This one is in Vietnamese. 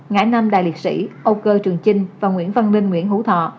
ngãi nam đài liệt sỹ âu cơ trường chinh và nguyễn văn linh nguyễn hữu thọ